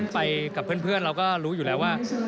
ไปกับเพื่อนเราก็รู้อยู่แล้วว่า